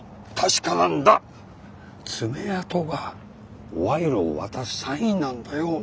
爪痕が賄賂を渡すサインなんだよ。